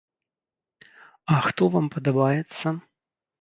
А хто вам падабаецца?